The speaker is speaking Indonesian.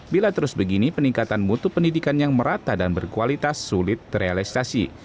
bila terus begini peningkatan mutu pendidikan yang merata dan berkualitas sulit terrealisasi